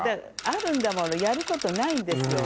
あるんだものやることないんですよ。